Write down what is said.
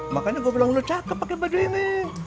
makanya gue bilang lo cakep pake baju ini